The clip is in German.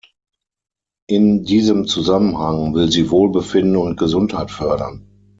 In diesem Zusammenhang will sie Wohlbefinden und Gesundheit fördern.